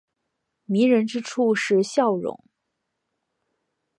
迷人之处是笑容。